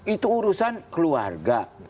itu urusan keluarga